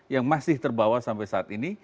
yang masih terbawa sampai saat ini